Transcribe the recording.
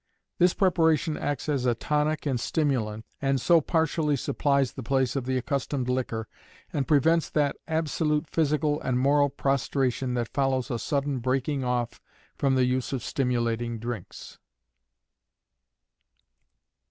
This preparation acts as a tonic and stimulant, and so partially supplies the place of the accustomed liquor, and prevents that absolute physical and moral prostration that follows a sudden breaking off from the use of stimulating drinks.